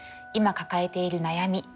今抱えている悩み